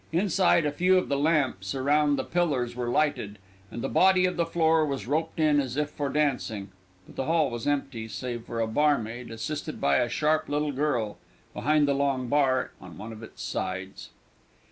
Inside, a few of the lamps around the pillars were lighted, and the body of the floor was roped in as if for dancing; but the hall was empty, save for a barmaid, assisted by a sharp little girl, behind the long bar on one of its sides.